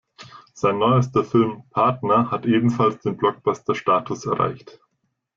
Sein neuester Film "Partner" hat ebenfalls den Blockbuster-Status erreicht.